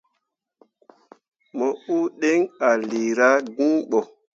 Mo uu diŋ ah lira gin bo.